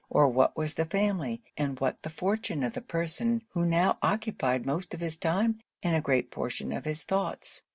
or what was the family and what the fortune of the person who now occupied most of his time and a great portion of his thoughts?